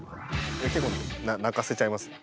結構泣かせちゃいますね。